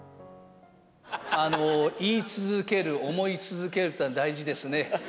言い続ける、思い続けるってのは大事ですね。